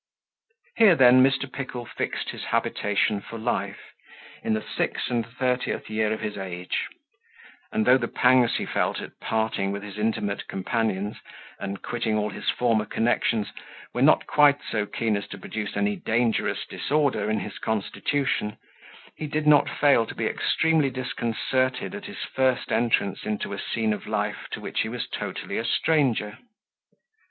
Here then Mr. Pickle fixed his habitation for life, in the six and thirtieth year of his age; and though the pangs he felt at parting with his intimate companions, and quitting all his former connections, were not quite so keen as to produce any dangerous disorder in his constitution, he did not fail to be extremely disconcerted at his first entrance into a scene of life to which he was totally a stranger.